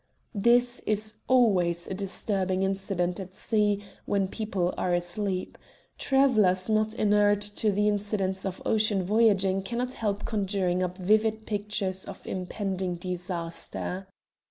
This is always a disturbing incident at sea when people are asleep. Travellers not inured to the incidents of ocean voyaging cannot help conjuring up vivid pictures of impending disaster.